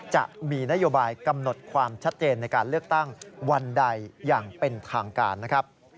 จะมีนโยบายกำหนดความชัดเจนในการเลือกตั้งวันใดอย่างเป็นทางการนะครับ